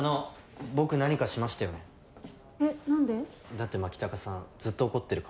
だって牧高さんずっと怒ってるから。